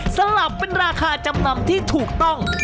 สลับเป็นราคาจำนำที่ถูกต้อง